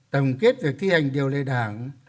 tổng kết việc thi hành điều lệ đảng